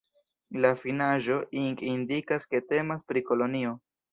La finaĵo -ing indikas ke temas pri kolonio.